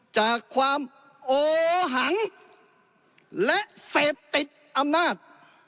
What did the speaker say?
จากความโอหังและเสพติดอำนาจ